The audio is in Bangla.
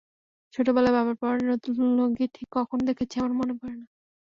ছোটবেলায় বাবার পরনে নতুন লুঙ্গি ঠিক কখন দেখেছি আমার মনে পড়ে না।